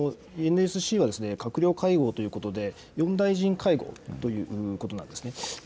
ＮＳＣは閣僚会合ということで４大臣会合ということなんです。